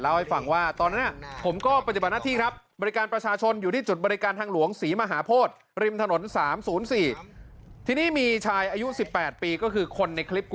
เล่าให้ฟังว่าตอนนั้นผมก็ปัจจุบันหน้าที่ครับ